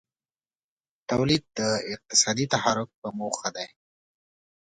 تولید د اقتصادي تحرک په موخه دی.